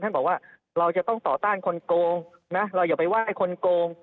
บอกว่าเราจะต้องต่อต้านคนโกงนะเราอย่าไปว่าไอ้คนโกง